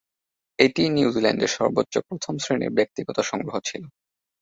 এটিই নিউজিল্যান্ডের সর্বোচ্চ প্রথম-শ্রেণীর ব্যক্তিগত সংগ্রহ ছিল।